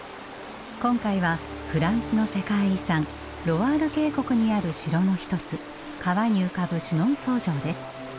今回はフランスの世界遺産ロワール渓谷にある城の一つ川に浮かぶシュノンソー城です。